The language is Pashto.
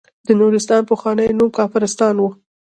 د نورستان پخوانی نوم کافرستان و.